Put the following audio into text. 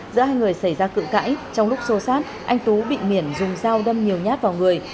giữa hai người xảy ra cự cãi trong lúc xô sát anh tú bị miển dùng dao đâm nhiều nhát vào người